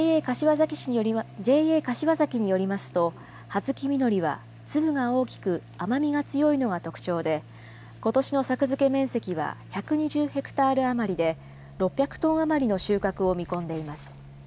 ＪＡ柏崎によりますと、葉月みのりは粒が大きく甘みが強いのが特徴で、ことしの作付け面積は１２０ヘクタール余りで、６００トン余りの収穫を見込んでいます。